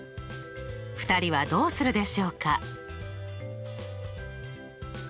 ２人はどうするでしょうか？